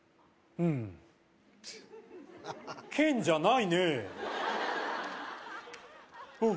「うん健じゃない」